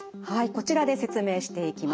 こちらで説明していきます。